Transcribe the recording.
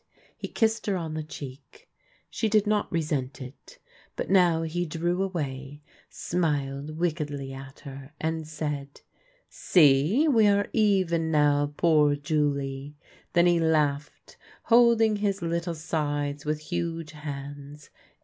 He kissed her on the cheek. She did not resent it. But now he drew away, smiled wickedly at her, and said :" See, we are even now, poor Julie !" Then he laughed, holding his little sides with huge hands.